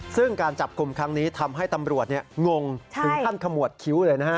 ซึ่งการจับกลุ่มครั้งนี้ทำให้ตำรวจงงถึงขั้นขมวดคิ้วเลยนะฮะ